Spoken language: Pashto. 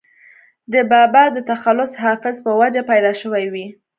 دَبابا دَ تخلص “حافظ ” پۀ وجه پېدا شوې وي